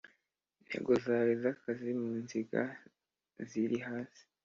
Intego zawe z akazi mu nziga ziri hasi